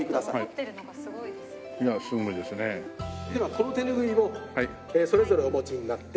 この手ぬぐいをそれぞれお持ちになって。